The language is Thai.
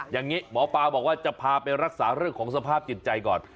อย่างนี้หมอปลาบอกว่าจะพาไปรักษาเรื่องของสภาพจิตใจก่อน